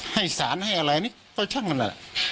ให้สารให้อะไรนี่ก็ช่างนั่นแหละ